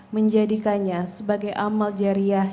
menjadikannya sebagai amal jariah